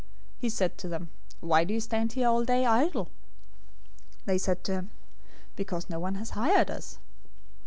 He said to them, 'Why do you stand here all day idle?' 020:007 "They said to him, 'Because no one has hired us.'